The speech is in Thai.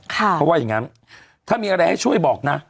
เขาว่าอย่างนั้นถ้ามีอะไรให้ช่วยบอกนะ